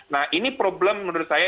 nah ini problem menurut saya